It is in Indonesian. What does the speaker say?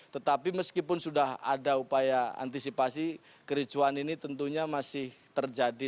tetapi meskipun sudah ada upaya antisipasi kericuan ini tentunya masih terjadi